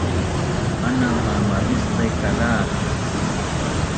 anang qa mavicqe’ kalacc